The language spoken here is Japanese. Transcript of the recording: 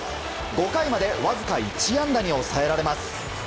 ５回までわずか１安打に抑えられます。